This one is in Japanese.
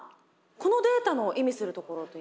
このデータの意味するところといいますと。